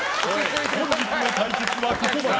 本日の対決はここまで。